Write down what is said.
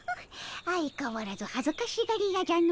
相かわらず恥ずかしがり屋じゃの。